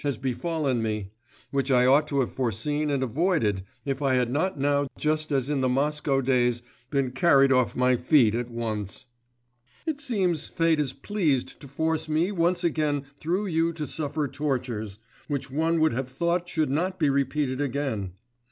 has befallen me, which I ought to have foreseen and avoided, if I had not now just as in the Moscow days been carried off my feet at once. It seems fate is pleased to force me once again through you to suffer tortures, which one would have thought should not be repeated again....